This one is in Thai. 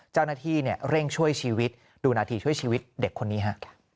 เจ้าหน้าที่เร่งช่วยชีวิตดูนาทีช่วยชีวิตเด็กคนนี้ฮะ